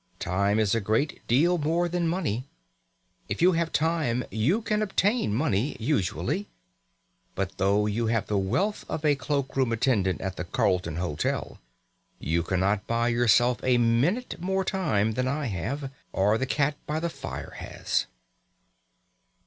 Time is a great deal more than money. If you have time you can obtain money usually. But though you have the wealth of a cloak room attendant at the Carlton Hotel, you cannot buy yourself a minute more time than I have, or the cat by the fire has.